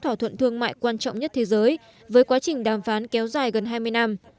thỏa thuận thương mại quan trọng nhất thế giới với quá trình đàm phán kéo dài gần hai mươi năm